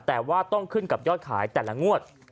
แต่ว่าต้องขึ้นกับยอดขายแต่ละงวด